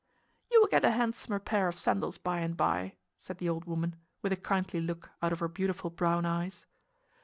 "You will get a handsomer pair of sandals by and by," said the old woman, with a kindly look out of her beautiful brown eyes.